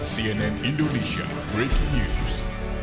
cnn indonesia breaking news